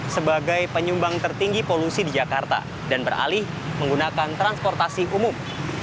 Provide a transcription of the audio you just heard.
sebagai penyumbang tertinggi polusi di jakarta dan beralih menggunakan transportasi umum